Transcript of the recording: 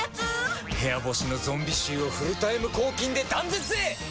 部屋干しのゾンビ臭をフルタイム抗菌で断絶へ！